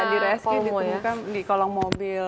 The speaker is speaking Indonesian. di reski ditemukan di kolong mobil